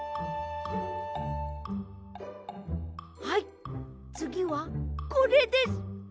はいつぎはこれです！